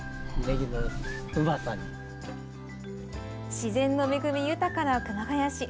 自然の恵み豊かな熊谷市。